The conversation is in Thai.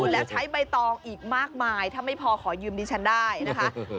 แล้วใช้ใบตองอีกมากมายถ้าไม่พอขอยืมดิฉันได้นะคะ